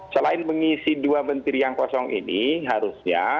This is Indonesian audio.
selain mengisi dua menteri yang kosong ini harusnya